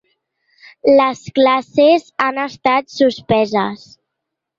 Les classes han estat suspeses.